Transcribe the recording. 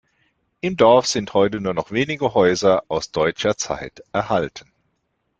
Im Dorf sind heute nur noch wenige Häuser aus deutscher Zeit erhalten.